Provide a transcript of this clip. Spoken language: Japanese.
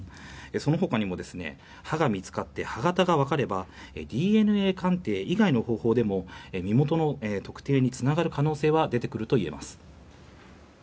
その他にも歯が見つかって、歯型が分かればＤＮＡ鑑定以外の方法でも身元の特定につながる可能性は出てくるといえます。